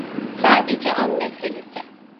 Sadece an meselesi.